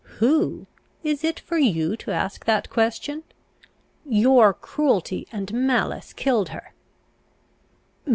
"Who? Is it for you to ask that question? Your cruelty and malice killed her!"